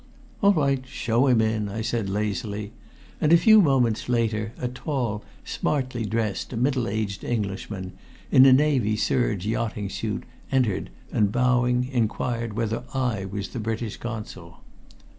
"All right, show him in," I said lazily, and a few moments later a tall, smartly dressed, middle aged Englishman, in a navy serge yachting suit, entered, and bowing, enquired whether I was the British Consul.